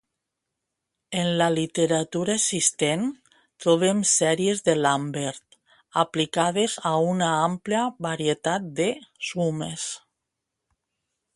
En la literatura existent, trobem "sèries de Lambert" aplicades a una àmplia varietat de sumes.